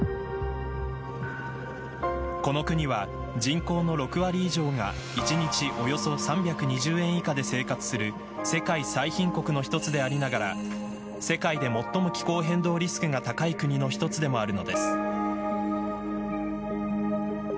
この国は人口の６割以上が１日およそ３２０円以下で生活する世界最貧国の一つでありながら世界で最も気候変動リスクが高い国の一つでもあるのです。